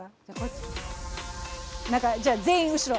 じゃあ全員後ろ。